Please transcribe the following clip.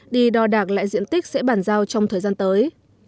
đi đo đạc lại diện tích sẽ bàn giao trong thời gian tới